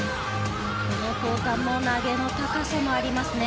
この交換も投げの高さがありますね。